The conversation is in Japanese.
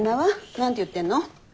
何て言ってるの？